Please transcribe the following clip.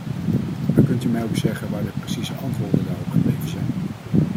Maar kunt u mij ook zeggen waar de precieze antwoorden daarop gebleven zijn?